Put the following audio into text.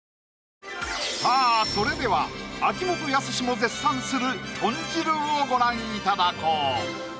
それでは秋元康も絶賛するとん汁をご覧いただこう！